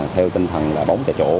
theo tinh thần bóng chạy chỗ